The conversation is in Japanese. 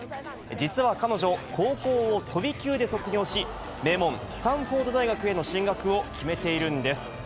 実は彼女、高校を飛び級で卒業し、名門、スタンフォード大学への進学を決めているんです。